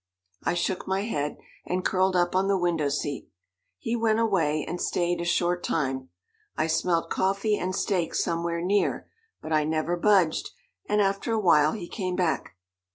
I shook my head, and curled up on the window seat. He went away, and stayed a short time. I smelt coffee and steak somewhere near, but I never budged, and after a while he came back.